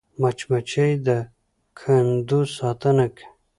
مچمچۍ د کندو ساتنه کوي